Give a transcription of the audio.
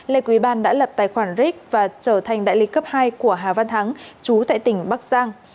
lê quý ban đã lập tài khoản ric và trở thành đại lý cấp hai của hà văn thắng chú tại tỉnh bắc giang